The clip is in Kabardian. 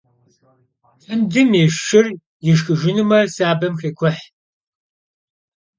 Vındım yi şşır yişşxıjjınume, sabem xêkuh.